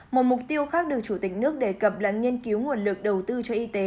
một mục tiêu khác được chủ tịch nước đề cập là nghiên cứu nguồn lực đầu tư cho y tế